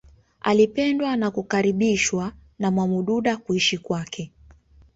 Alipendwa na kukaribishwa na Mwamududa kuishi kwake